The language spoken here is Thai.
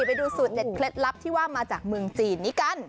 ไปดูสูตรเด็ดเคล็ดลับที่ว่ามาจากเมืองจีนนี้กัน